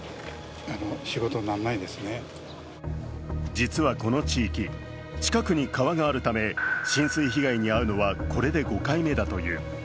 実はこの地域、近くに川があるため浸水被害に遭うのはこれで５回目だという。